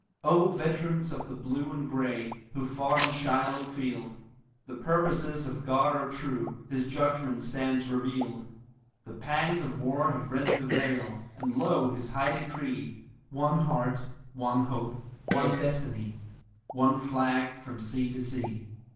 Oh, veterans of the Blue and Gray, who fought on Shiloh field, The purposes of God are true, His judgment stands revealed; The pangs of war have rent the veil, and lo, His high decree: One heart, one hope, one destiny, one flag from sea to sea.